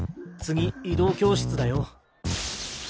次移動教室だよ。